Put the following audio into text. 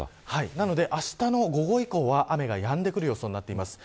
あしたの午後以降は雨がやんでくる予想になっています。